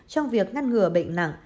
trong việc ngăn ngừa bệnh nặng